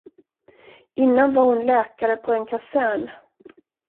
Innan var hon läkare på en kasern.